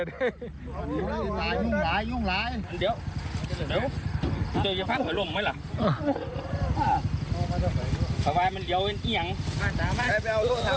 เราแล้วกินของแม่